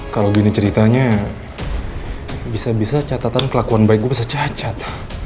kalau gini ceritanya bisa bisa catatan kelakuan baik gue bisa cacat